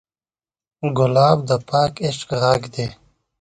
ګلاب د پاک عشق غږ دی.